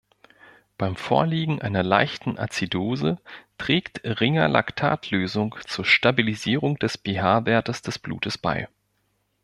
Beim Vorliegen einer leichten Azidose trägt Ringer-Lactat-Lösung zur Stabilisierung des pH-Werts des Blutes bei.